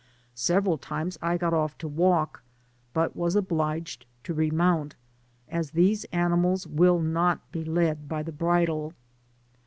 Seve ral times I got off to walk, but was obliged to remount, as these animals will not be led by the bridle.